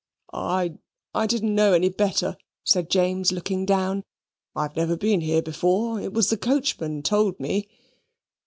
"I I didn't know any better," said James, looking down. "I've never been here before; it was the coachman told me."